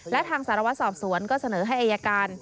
และทางสารวัตรสอบสวนก็เสนอให้อายการ